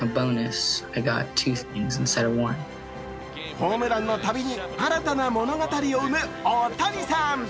ホームランのたびに新たな物語を生む大谷さん。